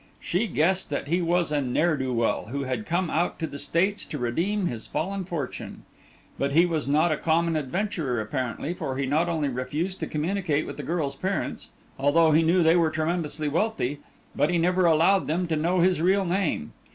She guessed that he was a ne'er do well, who had come out to the States to redeem his fallen fortune. But he was not a common adventurer apparently, for he not only refused to communicate with the girl's parents, although he knew they were tremendously wealthy, but he never allowed them to know his real name.